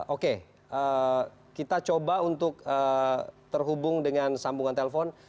oke kita coba untuk terhubung dengan sambungan telepon